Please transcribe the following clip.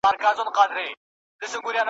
او د شا خورجین یې ټول وه خپل عیبونه `